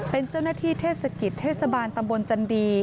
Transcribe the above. เป็นเจ้าหน้าที่เทศกิจเทศบาลตำบลจันดี